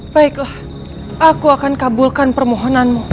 baiklah aku akan kabulkan permohonanmu